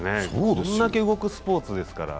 あれだけ動くスポーツですから。